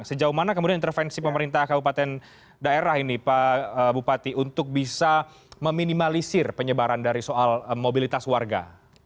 sejauh mana kemudian intervensi pemerintah kabupaten daerah ini pak bupati untuk bisa meminimalisir penyebaran dari soal mobilitas warga